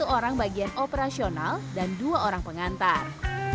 satu orang bagian operasional dan dua orang pengantar